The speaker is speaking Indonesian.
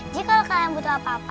jadi kalau kalian butuh apa apa